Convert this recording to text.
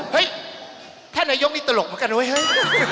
เฮ้ยท่านนายยกนี่ตลกเหมือนกันด้วยเฮ้ย